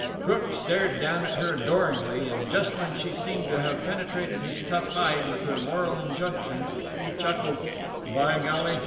Crook stared down at her adoringly, and just when she seemed to have penetrated his tough hide with her moral injunctions he chuckled: "By golly!